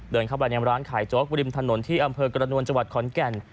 เดินเข้าบรรยายงามร้านขายโจ๊กบริมถนนที่อำเภอกรณวลจขอนแก่น